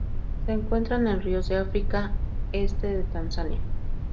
Se encuentran en ríos de África: este de Tanzania.